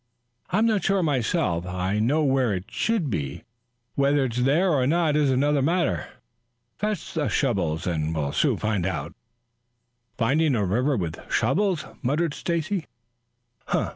"I am not sure myself. I know where it should be. Whether it's there or not is another matter. Fetch the shovels and we'll soon find out." "Finding a river with shovels!" muttered Stacy. "Huh!